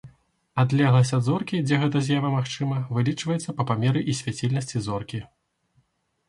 Адлегласць ад зоркі, дзе гэта з'ява магчыма, вылічваецца па памеры і свяцільнасці зоркі.